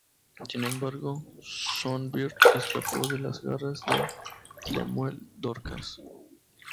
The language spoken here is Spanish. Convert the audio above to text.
Sin embargo, Songbird escapó de las garras de Lemuel Dorcas.